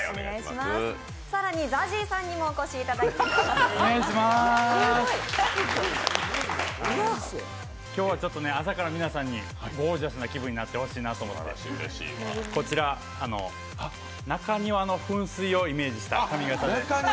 更にＺＡＺＹさんにもお越しいただきました今日はちょっと朝から皆さんにゴージャスな気分になってほしいなと思いましてこちら、中庭の噴水をイメージした髪形です。